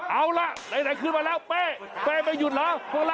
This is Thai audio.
เอาล่ะไหนขึ้นมาแล้วเป๊เป๊ไม่หยุดหรอกพวกเรา